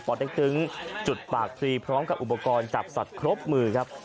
เต็กตึงจุดปากฟรีพร้อมกับอุปกรณ์จับสัตว์ครบมือครับ